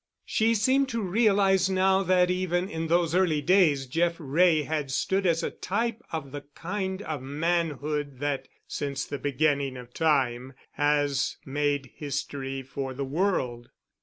She seemed to realize now that even in those early days Jeff Wray had stood as a type of the kind of manhood that, since the beginning of time, has made history for the world.